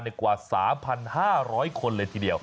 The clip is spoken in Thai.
กว่า๓๕๐๐คนเลยทีเดียว